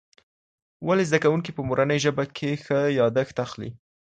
ولي زده کوونکي په مورنۍ ژبه کي ښه ياداښت اخلي؟